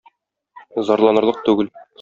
Зарланырлык түгел.